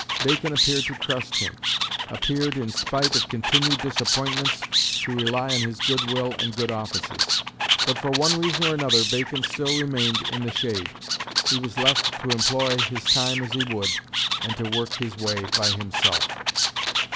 Bacon appeared to trust him appeared, in spite of continued disappointments, to rely on his good will and good offices. But for one reason or another Bacon still remained in the shade. He was left to employ his time as he would, and to work his way by himself.